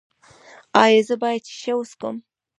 ایا زه باید شیشه وڅکوم؟